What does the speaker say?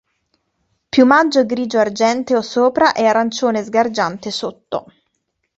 Piumaggio grigio argenteo sopra e arancione sgargiante sotto.